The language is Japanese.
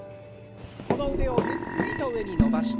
この腕をゆっくりと上に伸ばして。